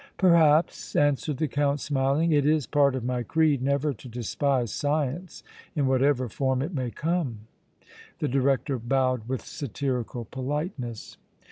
"Perhaps," answered the Count, smiling. "It is part of my creed never to despise science in whatever form it may come!" The director bowed with satirical politeness.